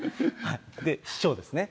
市長ですね。